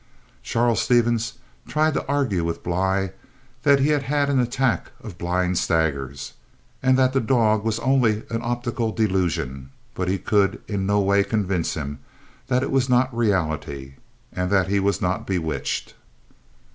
Charles Stevens tried to argue with Bly that he had had an attack of blind staggers, and that the dog was only an optical delusion; but he could in no way convince him that it was not a reality, and that he was not bewitched.